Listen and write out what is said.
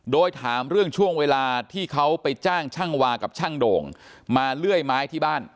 โดยถามเรื่องช่วงเวลาที่เขาไปจ้างช่างวากับช่างโด่งมาเลื่อยไม้ที่บ้าน